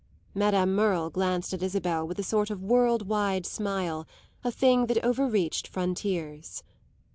Madame Merle glanced at Isabel with a sort of world wide smile, a thing that over reached frontiers.